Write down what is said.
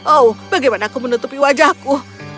oh bagaimana aku menutupi wajahku